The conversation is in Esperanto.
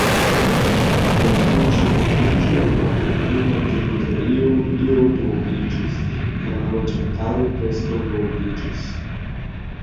Per tiu-ĉi kuniĝo la komunuma teritorio pli ol duobliĝis kaj la loĝantaro preskaŭ duobliĝis.